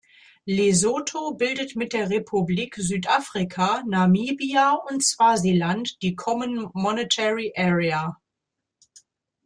Lesotho bildet mit der Republik Südafrika, Namibia und Swasiland die Common Monetary Area.